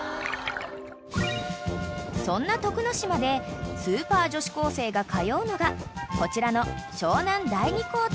［そんな徳之島でスーパー女子高生が通うのがこちらの］